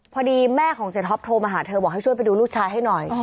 พอดีแม่ของเสียท็อปโทรมาหาเธอบอกให้ช่วยไปดูลูกชายให้หน่อย